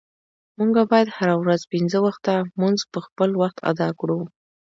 مونږه باید هره ورځ پنځه وخته مونز په خپل وخت اداء کړو.